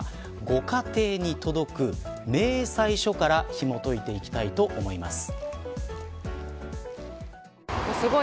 ご家庭に届く明細書からひもといていきたいと思います。